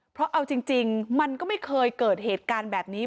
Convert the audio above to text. เพราะเอาจริงมันก็ไม่เคยเกิดเหตุการณ์แบบนี้